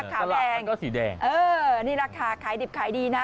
ตลาดก็สีแดงนี่แหละค่ะขายดีขายดีนะ